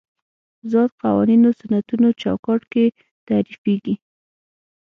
ذات قوانینو سنتونو چوکاټ کې تعریفېږي.